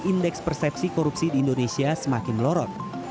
indeks persepsi korupsi di indonesia semakin melorot